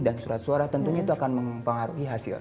dan surat suara tentunya itu akan mempengaruhi hasil